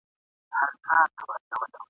دا یوه خبره واورۍ مسافرو ..